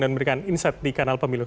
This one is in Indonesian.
dan memberikan insight di kanal pemilu